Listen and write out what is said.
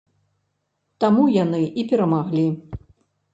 Таму яны і перамаглі.